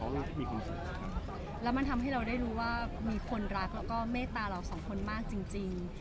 แล้วมันทำให้เราได้รู้ว่ามีคนรักแล้วก็เมตตาเราสองคนมากจริง